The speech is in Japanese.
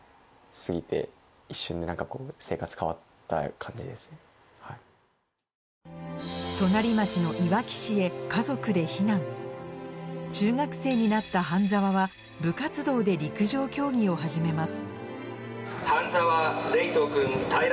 家族で隣町の中学生になった半澤は部活動で陸上競技を始めます